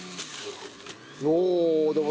おお！